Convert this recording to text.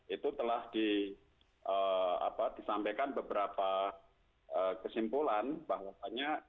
itu telah disampaikan beberapa kesimpulan bahwasannya